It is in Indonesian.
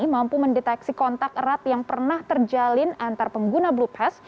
mampu mendeteksi kontak erat yang pernah terjalin antar pengguna blue pass